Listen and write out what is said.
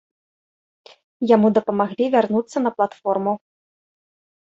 Яму дапамаглі вярнуцца на платформу.